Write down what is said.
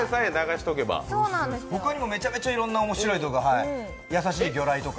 他にもめちゃめちゃいろんな動画、優しい魚雷とか。